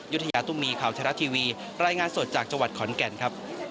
ยุธยาตุ้มมีข่าวไทยรัฐทีวีรายงานสดจากจังหวัดขอนแก่นครับ